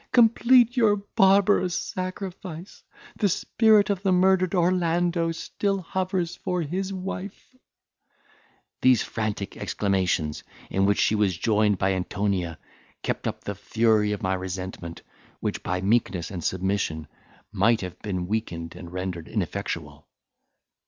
complete your barbarous sacrifice! the spirit of the murdered Orlando still hovers for his wife." These frantic exclamations, in which she was joined by Antonia, kept up the fury of my resentment, which by meekness and submission might have been weakened and rendered ineffectual.